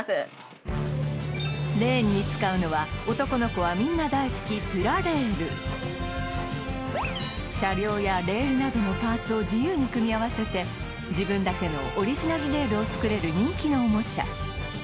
レーンに使うのは男の子はみんな大好きプラレール車両やレールなどのパーツを自由に組み合わせて自分だけのオリジナルレールを作れる人気のおもちゃ